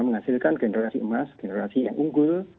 menghasilkan generasi emas generasi yang unggul